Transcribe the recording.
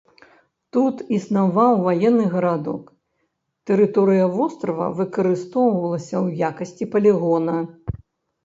Тут існаваў ваенны гарадок, тэрыторыя вострава выкарыстоўвалася ў якасці палігона.